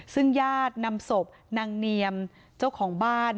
ซึ่งญาตินำศพนางเนียมเจ้าของบ้าน